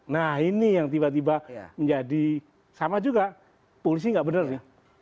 nah ini yang tiba tiba menjadi sama juga polisi nggak bener nih